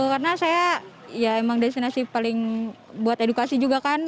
karena saya ya emang destinasi paling buat edukasi juga kan